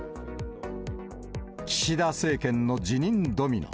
岸田政権の辞任ドミノ。